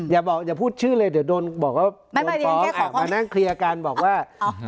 อย่าบอกอย่าพูดชื่อเลยเดี๋ยวโดนบอกว่าโดนฟ้องมานั่งเคลียร์กันบอกว่า